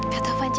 kak tovan kamila